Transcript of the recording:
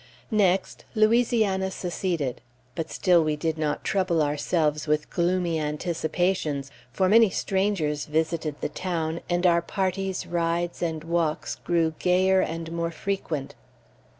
Next Louisiana seceded, but still we did not trouble ourselves with gloomy anticipations, for many strangers visited the town, and our parties, rides, and walks grew gayer and more frequent.